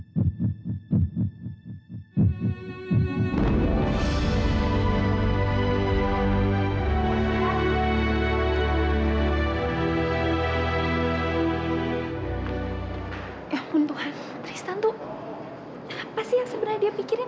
kenapa sih yang sebenarnya dia pikirin